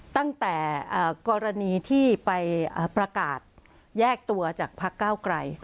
ตั้งแต่กรณีที่ไปประกาศแยกตัวจากพักเก้าไกล